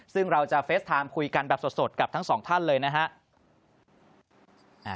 ซึ่งเราจะเฟสไทม์คุยกันแบบสดกับทั้งสองท่านเลยนะฮะ